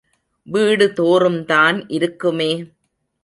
வீடு தோறுந்தான் இருக்குமே.